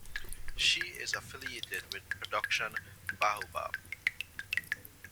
She is affiliated with Production Baobab.